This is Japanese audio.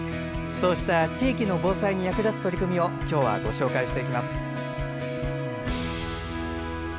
そうした地域の防災に役立つ取り組みを今日はご紹介していきます。